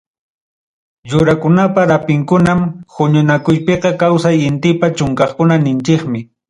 Yurakunapa rapinkunam, huñunakuypiqa kawsaq intipa chunqankuna ninchikmi.